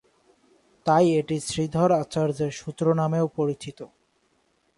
তাই এটি শ্রীধর আচার্যের সূত্র নামেও পরিচিত।